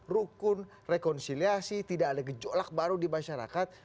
rukun rekonsiliasi tidak ada gejolak baru di masyarakat